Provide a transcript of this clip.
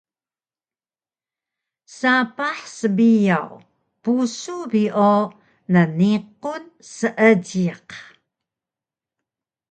Sapah sbiyaw pusu bi o nniqun seejiq